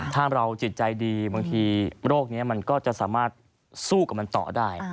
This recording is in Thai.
ถ้าเราจิตใจดีบางทีโรคนี้มันก็จะสามารถสู้กับมันต่อได้